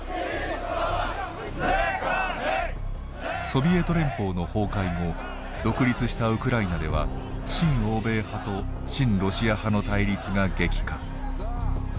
ソビエト連邦の崩壊後独立したウクライナでは新欧米派と親ロシア派の対立が激化。